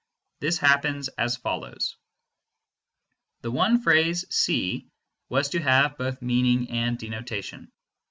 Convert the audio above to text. This happens as follows. The one phrase C was to have both meaning and denotation.